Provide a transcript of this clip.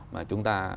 mà chúng ta